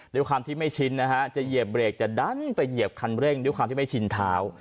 ด้วยความที่ไม่ชินนะฮะจะเหยียบเบรกแต่ดันไปเหยียบคันเร่งด้วยความที่ไม่ชินเท้า